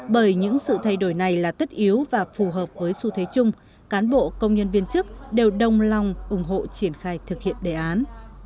bởi những sự thay đổi này là tất yếu và phù hợp với xu thế chung cán bộ công nhân viên chức đều đồng lòng ủng hộ triển khai thực hiện đề án